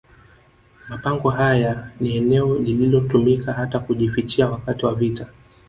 Mapango haya ni eneo lililotumika hata kujifichia wakati wa vita